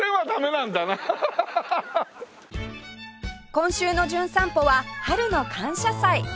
今週の『じゅん散歩』は春の感謝祭！